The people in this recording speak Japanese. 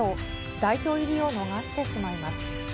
代表入りを逃してしまいます。